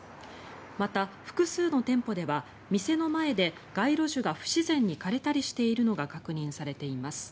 また、複数の店舗では店の前で街路樹が不自然に枯れたりしているのが確認されています。